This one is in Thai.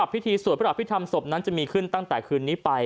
พิธีสู่พระอัพธิฒรรมมีขึ้นตั้งแต่คืนนี้ไป